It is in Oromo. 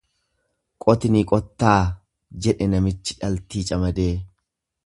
Qoti ni qottaa jedhe namichi dhaltii camadee.